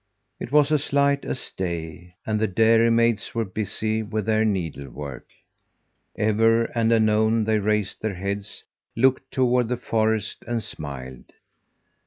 It was as light as day, and the dairymaids were busy with their needle work. Ever and anon they raised their heads, looked toward the forest and smiled.